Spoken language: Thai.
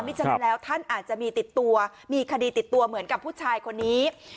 ฉะนั้นแล้วท่านอาจจะมีติดตัวมีคดีติดตัวเหมือนกับผู้ชายคนนี้